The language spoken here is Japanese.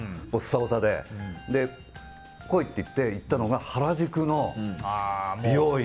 それで来いって言って行ったのが原宿の美容院。